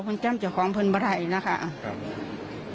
คุณเจ้าชอบของคุณป่ะไหร่นะคะครับ